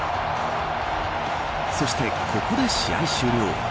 そして、ここで試合終了。